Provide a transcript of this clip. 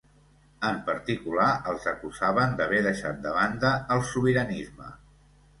En particular els acusaven d'haver deixat de banda el sobiranisme.